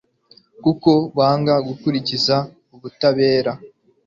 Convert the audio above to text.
kuko banga gukurikiza ubutabera